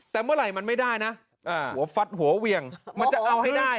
แต่เมื่อไหร่มันไม่ได้นะหัวฟัดหัวเหวี่ยงมันจะเอาให้ได้